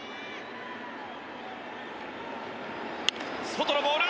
外のボール！